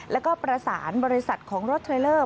แล้วก็ประสานบริษัทของรถเทรลเลอร์